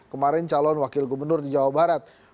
kemarin calon wakil gubernur di jawa barat